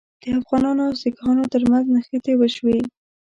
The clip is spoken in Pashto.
د افغانانو او سیکهانو ترمنځ نښتې وشوې.